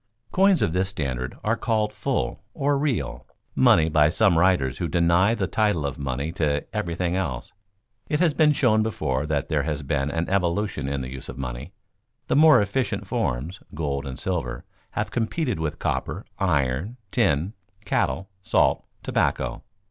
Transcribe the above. Coins of this standard are called full, or real, money by some writers who deny the title of money to everything else. It has been shown before that there has been an evolution in the use of money. The more efficient forms, gold and silver, have competed with copper, iron, tin, cattle, salt, tobacco.